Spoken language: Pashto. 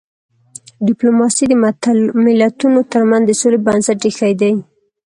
ډيپلوماسي د ملتونو ترمنځ د سولې بنسټ ایښی دی.